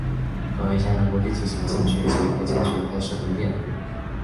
并于香港国际机场禁区及非禁区开设分店。